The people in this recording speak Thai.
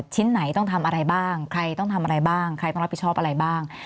ชิ้นไหนต้องทำอะไรบ้างใครต้องทำอะไรบ้างใครต้องรับผิดชอบอะไรบ้าง